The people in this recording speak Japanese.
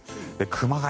熊谷